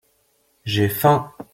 J’ai faim.